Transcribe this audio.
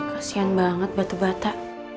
kasihan banget batu bata